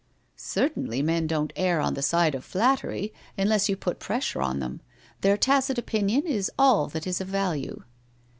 ' Certainly, men don't err on the side of flattery, unless you put pressure on them. Their tacit opinion is all that is of value.'